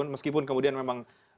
meskipun kemudian memang